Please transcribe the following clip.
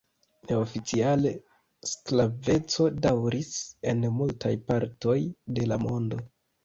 Neoficiale sklaveco daŭris en multaj partoj de la mondo.